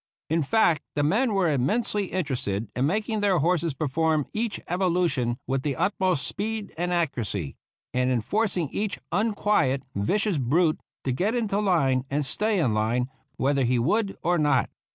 In fact, the men were immensely interested in mak ing their horses perform each evolution with the utmost speed and accuracy, and in forcing each unquiet, vicious brute to get into line and stay in line, whether he would or not.